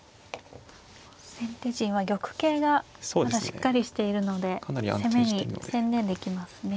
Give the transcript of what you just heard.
先手陣は玉形がまだしっかりしているので攻めに専念できますね。